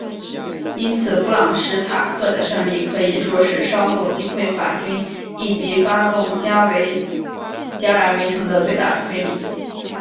因此布朗什塔克的胜利可以说是稍后击溃法军以及发动加莱围城的最大推力。